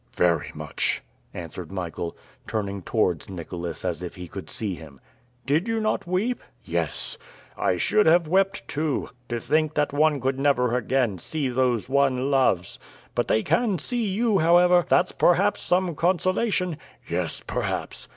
"Very much," answered Michael, turning towards Nicholas as if he could see him. "Did you not weep?" "Yes." "I should have wept too. To think that one could never again see those one loves. But they can see you, however; that's perhaps some consolation!" "Yes, perhaps.